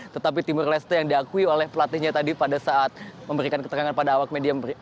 tetapi timur leste yang diakui oleh pelatihnya tadi pada saat memberikan keterangan pada awak media